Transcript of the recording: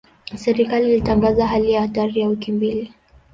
Serikali ilitangaza hali ya hatari ya wiki mbili.